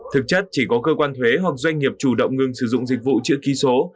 thực chất chỉ có cơ quan thuế hoặc doanh nghiệp chủ động ngừng sử dụng dịch vụ chữ ký số